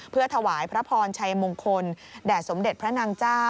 เพื่อถวายพระพรชัยมงคลแด่สมเด็จพระนางเจ้า